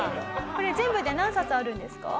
これ全部で何冊あるんですか？